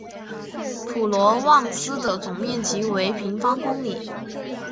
普罗旺斯的总面积为平方公里。